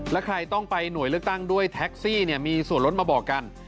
แล้วใครต้องไปหน่วยเลือกตั้งด้วยแท็กซี่มีส่วนลดมาบอกกัน